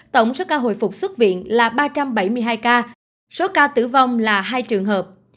tổng số ca hồi phục xuất viện là ba trăm bảy mươi hai ca số ca tử vong là hai trường hợp